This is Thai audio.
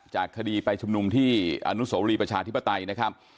คดีไปชุมนุมที่อนุโสรีประชาธิปไตยนะครับ